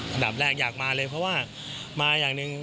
อันดับแรกอยากมาเลยเพราะว่ามาอย่างหนึ่ง